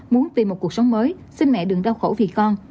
muốn tìm một cuộc sống mới sinh mẹ đừng đau khổ vì con